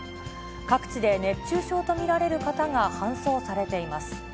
各地で熱中症と見られる方が搬送されています。